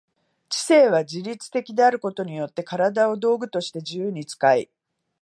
知性は自律的であることによって身体を道具として自由に使い、